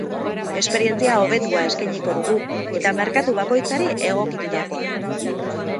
Esperientzia hobetua eskainiko dugu eta merkatu bakoitzari egokitutakoa.